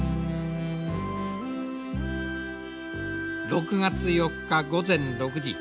６月４日午前６時。